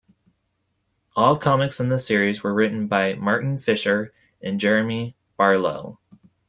All comics in this series were written by Martin Fisher and Jeremy Barlow.